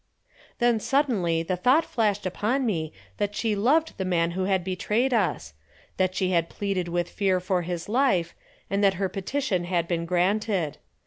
Then suddenly the thought flashed upon me that she loved the man who had betrayed us, that she had pleaded with fear for his life, and that her petition had been granted.